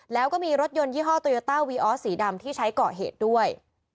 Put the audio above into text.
แล้วก็มีรถยนต์ยี่ห้อสีดำที่ใช้เกาะเหตุด้วย